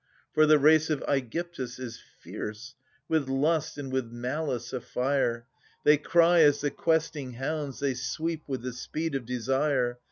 For the race of ^gyptus is fierce, with lust and with malice afire ; They cry as the questing hounds, they sweep with the speed of desire.